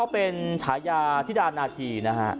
เป็นฉายาธิดานาคีนะฮะ